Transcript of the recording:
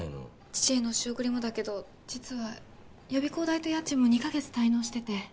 父への仕送りもだけど実は予備校代と家賃も２か月滞納してて。